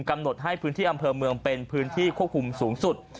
กำหนดให้พื้นที่อำเภอเมืองเป็นพื้นที่ควบคุมสูงสุด